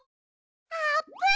あーぷん！